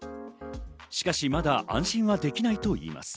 しかし、まだ安心はできないといいます。